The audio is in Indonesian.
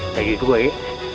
lagi dua ya